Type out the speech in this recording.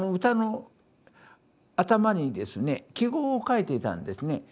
歌の頭にですね記号をかいていたんですね。